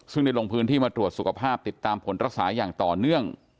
ซึ่งได้ลงพื้นที่มาตรวจสุขภาพติดตามผลรักษาอย่างต่อเนื่อง